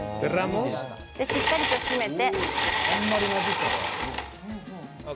しっかりと閉めて。